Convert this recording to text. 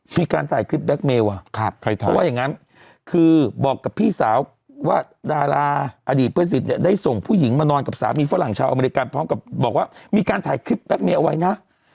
มีการถ่ายคลิปแก๊กเมลว่ะเพราะว่าอย่างนั้นคือบอกกับพี่สาวว่าดาราอดีตเพื่อนศิษย์เนี่ยได้ส่งผู้หญิงมานอนกับสามีฝรั่งชาวอเมริกันพร้อมกับบอกว่ามีการถ่ายคลิปแก๊กเมลเอาไว้นะ